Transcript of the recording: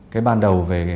cái ban đầu